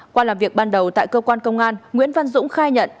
qua làm việc ban đầu tại cơ quan công an nguyễn văn dũng khai nhận